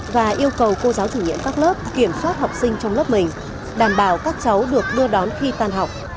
và yêu cầu cô giáo thử nghiệm các lớp kiểm soát học sinh trong lớp mình đảm bảo các cháu được đưa đón khi tan học